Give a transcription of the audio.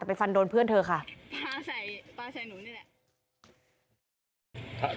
ไปฟันโดนเพื่อนเธอค่ะปลาใส่ปลาใส่หนูนี่แหละ